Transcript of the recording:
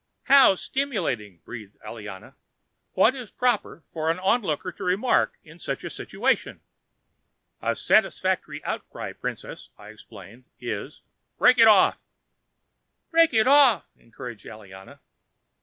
"How stimulating," breathed Aliana. "What is proper for the onlooker to remark in such a situation?" "A satisfactory outcry, Princess," I explained, "is, 'Break it off!'" "Break it off!" encouraged Aliana.